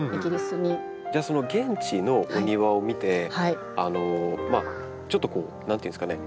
じゃあその現地のお庭を見てちょっと何ていうんですかね